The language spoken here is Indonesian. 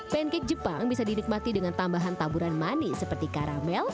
pancake jepang bisa dinikmati dengan tambahan taburan manis seperti karamel